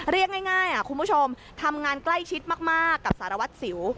เรียกง่ายคุณผู้ชมทำงานใกล้ชิดมากกับสารวัตรสิว